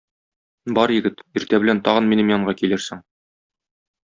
Бар, егет, иртә белән тагын минем янга килерсең.